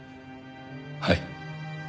はい。